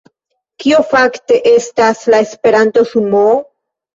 Kio fakte estas la Esperanto-sumoo?